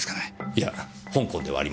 いや香港ではありません。